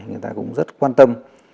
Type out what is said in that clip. người ta cũng rất quan tâm